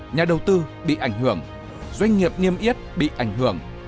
nhà đầu tư bị ảnh hưởng doanh nghiệp niêm yết bị ảnh hưởng